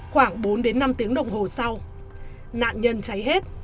khoảng bốn đến năm tiếng đồng hồ sau nạn nhân cháy hết